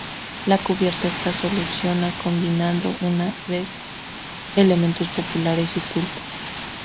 La cubierta se soluciona combinando una vez elementos populares y cultos.